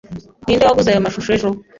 Ninde waguze ayo mashusho ejo?